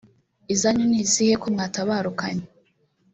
izanyu ni izihe ko mwatabarukanye